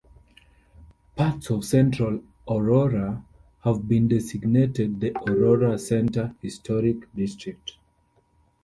Parts of central Aurora have been designated the Aurora Center Historic District.